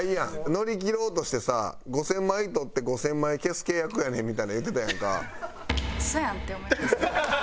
乗り切ろうとしてさ５０００枚撮って５０００枚消す契約やねんみたいなん言うてたんか。